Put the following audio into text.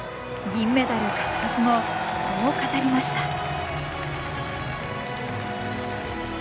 銀メダル獲得後こう語りました。